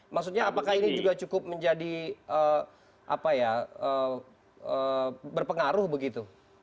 maksudnya apakah ini juga cukup menjadi berpengaruh begitu